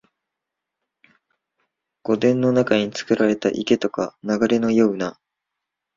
御殿の中につくられた池とか流れのような、